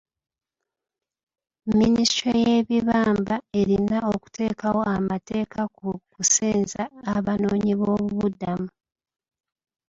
Minisitule y'ebibamba erina okuteekawo amateeka ku kusenza abanoonyiboobubudamu.